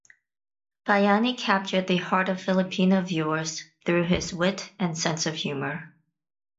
Bayani captured the heart of Filipino viewers through his wit and sense of humor.